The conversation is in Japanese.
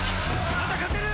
まだ勝てる！